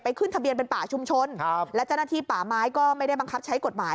ขึ้นทะเบียนเป็นป่าชุมชนครับและเจ้าหน้าที่ป่าไม้ก็ไม่ได้บังคับใช้กฎหมาย